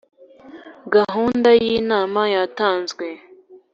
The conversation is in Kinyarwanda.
gahunda yinama yatanzwe.